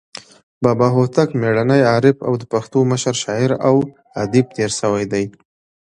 بابا هوتک میړنى، عارف او د پښتو مشر شاعر او ادیب تیر سوى دئ.